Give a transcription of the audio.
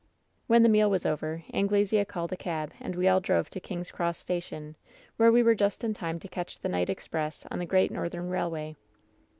"When the meal was over, Anglesea called a cab and we all drove to King's Cross Station, where we were just in time to catch the night express on the Great Northern Railway.